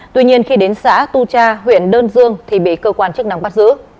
tuy nhiên khi đến xã tu cha huyện đơn dương thì bị cơ quan chức năng bắt giữ